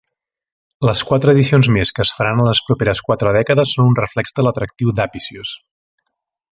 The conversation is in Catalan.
Les quatre edicions més que es faran en les properes quatre dècades són un reflex de l'atractiu d'"Apicius".